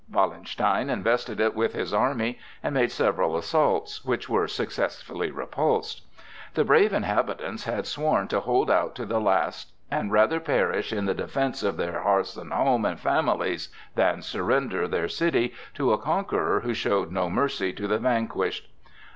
Wallenstein invested it with his army, and made several assaults, which were successfully repulsed. The brave inhabitants had sworn to hold out to the last and rather perish in the defence of their hearths and homes and families than surrender their city to a conqueror who showed no mercy to the vanquished.